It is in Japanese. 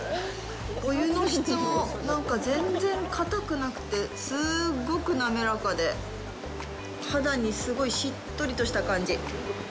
お湯の質もなんか全然かたくなくてすごく滑らかで肌にすごいしっとりとした感じ。